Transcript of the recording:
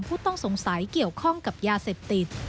ผู้ต้องสงสัยเกี่ยวข้องกับยาเสพติด